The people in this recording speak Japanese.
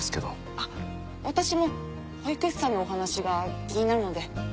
あっ私も保育士さんのお話が気になるので。